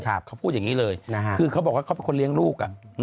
เขาพูดอย่างนี้เลยคือเขาบอกว่าเขาเป็นคนเลี้ยงลูก